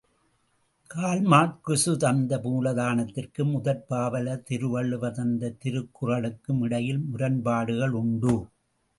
Karl Marx தந்த மூலதனத்திற்கும் முதற் பாவலர் திருவள்ளுவர் தந்த திருக்குறளுக்கும் இடையில் முரண்பாடுகள் உண்டு.